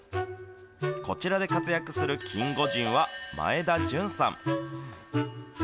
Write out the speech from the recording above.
こちらで活躍するキンゴジンは前田純さん。